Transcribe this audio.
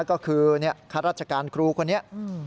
ก็คือรหัสรัชการครูคนนี้